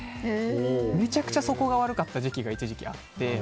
めちゃくちゃ素行が悪かった時期が一時期あって。